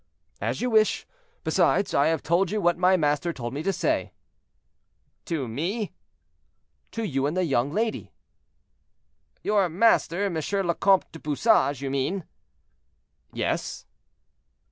"As you wish. Besides, I have told you what my master told me to say." "To me?" "To you and the young lady." "Your master, M. le Comte du Bouchage, you mean?" "Yes."